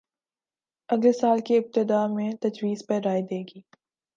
اگلے سال کی ابتدا میں تجویز پر رائے دے گی